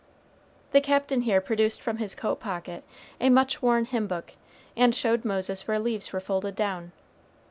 The Captain here produced from his coat pocket a much worn hymn book, and showed Moses where leaves were folded down.